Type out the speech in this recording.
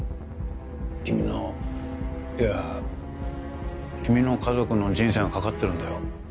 君のいや君の家族の人生がかかってるんだよ